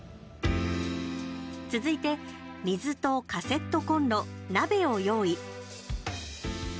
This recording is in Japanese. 続いて、水とカセットコンロ鍋を用意。